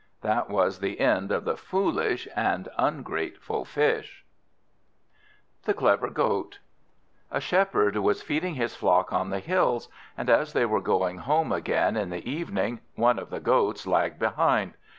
That was the end of the foolish and ungrateful Fish. The Clever Goat A SHEPHERD was feeding his flock on the hills; and as they were going home again in the evening, one of the goats lagged behind.